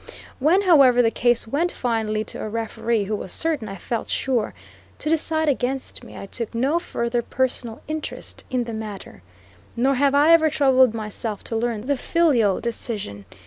When, however, the case went finally to a referee who was certain, I felt sure, to decide against me, I took no further personal interest in the matter, nor have I ever troubled myself to learn the filial decision.